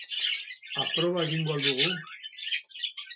Aproba egingo al dugu?